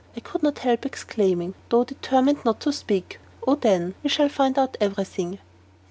I could not help exclaiming, though determined not to speak. "Oh, then, we shall find out every thing!"